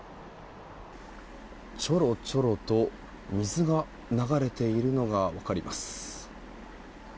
ちょろちょろと水が流れているのが分かります。